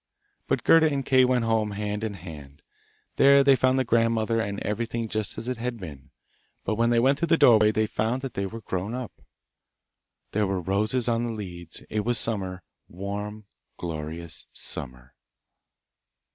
But Gerda and Kay went home hand in hand. There they found the grandmother and everything just as it had been, but when they went through the doorway they found they were grown up. There were the roses on the leads; it was summer, warm, glorious summer.